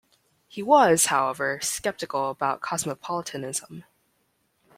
He was, however, sceptical about cosmopolitanism.